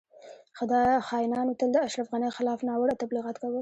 خاینانو تل د اشرف غنی خلاف ناوړه تبلیغات کول